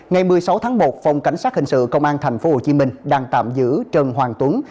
ngày một mươi sáu tháng một phòng cảnh sát hình sự công an thành phố hồ chí minh đang tạm giữ trần hoàng tuấn